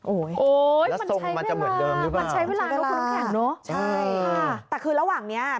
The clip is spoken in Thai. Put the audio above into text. โอ๊ยมันใช้เวลาใช้เวลาใช้เวลาใช่ค่ะแต่คือระหว่างนี้